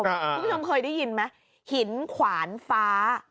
คุณผู้ชมเคยได้ยินไหมหินขวานฟ้า